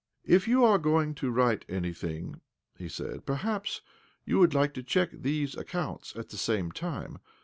"If you are going to write anything," he said, " perhaps you would like to check these accounts at the same time?